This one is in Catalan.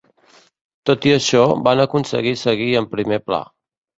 Tot i això, van aconseguir seguir en primer pla.